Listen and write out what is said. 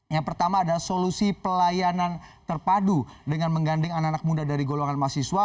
yang pertama ada solusi pelayanan terpadu dengan mengganding anak anak muda dari golongan mahasiswa